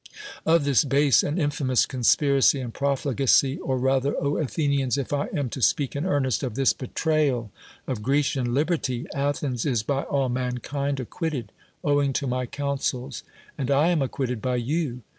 Of this base and infamous conspiracy and proliigacy — or rather, O Athenians, if I am to speak in earnest, of this betrayal of Grecian lib erty — Athens is by all mankind acquitted, owing to my counsels; and I am acquitted by you.